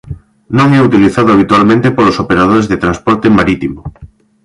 Non é utilizado habitualmente polos operadores de transporte marítimo.